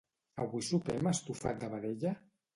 Avui sopem estofat de vedella?